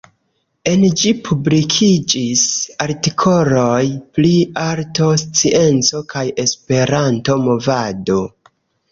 En ĝi publikiĝis artikoloj pri arto, scienco kaj esperanto-movado.